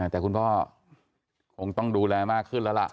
แต่คุณพ่อคงต้องดูแลมากขึ้นแล้วล่ะ